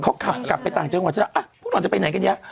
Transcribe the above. เขากลับกลับไปต่างเจ้างวัฒน์นี่แหละพวกน้อยจะไปไหนกันเนี่ย